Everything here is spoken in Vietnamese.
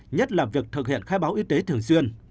nhất là việc thực hiện khai báo y tế thường xuyên